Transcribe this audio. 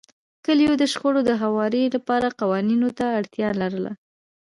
کلیو د شخړو د هواري لپاره قوانینو ته اړتیا لرله.